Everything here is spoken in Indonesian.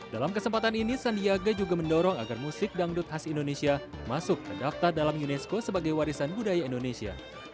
dalam kesempatan ini sandiaga juga mendorong agar musik dangdut khas indonesia masuk terdaftar dalam unesco sebagai warisan budaya indonesia